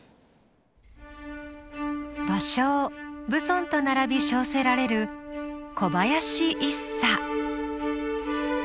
芭蕉蕪村と並び称せられる小林一茶。